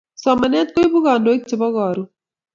Somanet koipu kandoik ab Karon